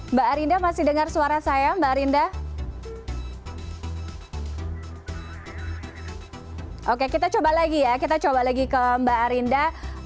mbak arinda masih dengar suara saya mbak arinda